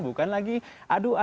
bukan lagi adu gagasan